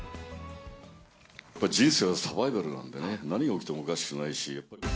やっぱり人生はサバイバルなんでね、何が起きてもおかしくないし。